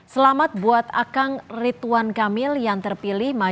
selamat buat akang rituan kamil yang terpilih